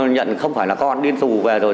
nhận không phải là con điên thù về rồi